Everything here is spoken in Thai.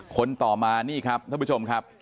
คนต่อมานี่ครับท่านผู้ชมครับ